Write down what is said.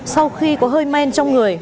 sau khi có hơi men trong người